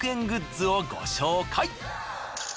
グッズをご紹介。